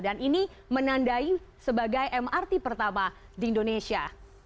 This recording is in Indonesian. dan ini menandai sebagai mrt pertama di indonesia